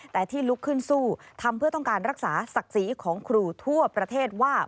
แต่ที่ลุกขึ้นสู้ทำเพื่อต้องการรักษาศักดิ์ศรีของครูทั่วประเทศว่า